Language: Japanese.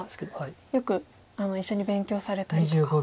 よく一緒に勉強されたりとか。